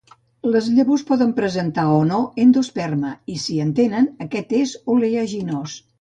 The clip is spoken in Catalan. Les llavors poden presentar o no endosperma, i si en tenen, aquest és oleaginós.